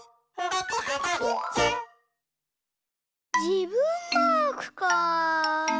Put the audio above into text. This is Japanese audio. じぶんマークかうん。